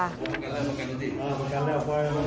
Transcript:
ขอทิศหนึ่งขอทิศหนึ่ง